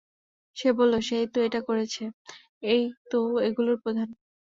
সে বলল, সে-ই তো এটা করেছে, এ-ই তো এগুলোর প্রধান।